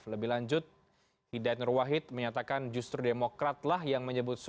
lebih lanjut hidayat nur wahid menyatakan justru demokrat lah yang menyebut